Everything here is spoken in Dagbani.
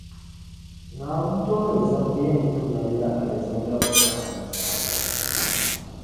Naawuni tooni zanibu yɛn ti malila Alizanda puri ayi Zaadali.